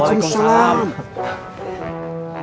dokter kelaranya kapan datang